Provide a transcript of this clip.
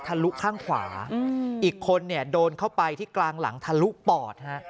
ลุข้างขวาอีกคนเนี่ยโดนเข้าไปที่กลางหลังทะลุปอดฮะ